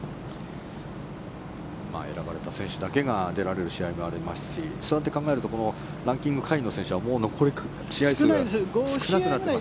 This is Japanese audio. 選ばれた選手だけが出られる試合もありますしそうやって考えるとランキング下位の選手はもう残り試合数は少ない。